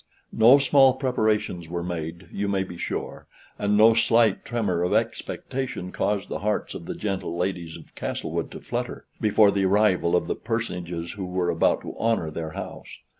No small preparations were made, you may be sure, and no slight tremor of expectation caused the hearts of the gentle ladies of Castlewood to flutter, before the arrival of the personages who were about to honor their house.